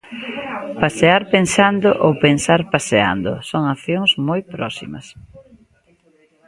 Pasear pensando ou pensar paseando son accións moi próximas.